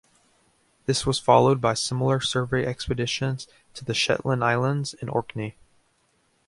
This was followed by similar survey expeditions to the Shetland Islands and Orkney.